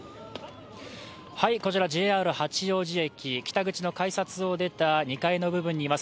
こちらＪＲ八王子駅、北口の改札を出た２階の部分にいます。